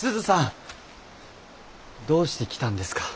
どうして来たんですか？